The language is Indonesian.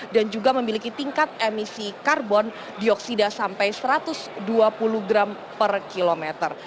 dan juga memiliki tingkat emisi karbon dioksida sampai satu ratus dua puluh gram per kilometer